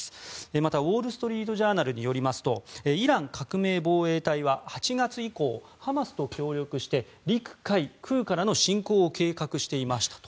また、ウォール・ストリート・ジャーナルによりますとイラン革命防衛隊は８月以降ハマスと協力して陸海空からの侵攻を計画していましたと。